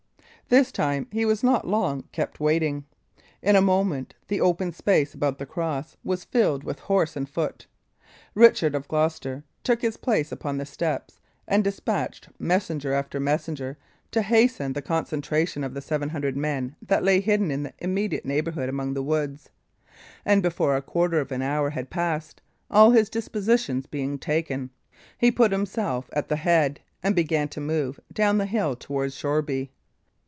This time he was not long kept waiting. In a moment the open space about the cross was filled with horse and foot. Richard of Gloucester took his place upon the steps, and despatched messenger after messenger to hasten the concentration of the seven hundred men that lay hidden in the immediate neighbourhood among the woods; and before a quarter of an hour had passed, all his dispositions being taken, he put himself at their head, and began to move down the hill towards Shoreby.